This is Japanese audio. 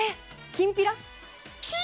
きんぴら？